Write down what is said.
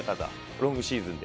ロングシーズンで。